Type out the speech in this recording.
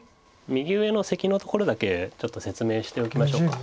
右上のセキのところだけちょっと説明しておきましょうか。